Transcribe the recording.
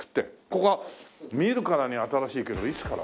ここは見るからに新しいけどいつから？